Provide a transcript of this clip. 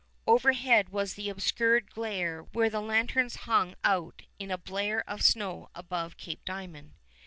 Overhead was the obscured glare where the lanterns hung out in a blare of snow above Cape Diamond.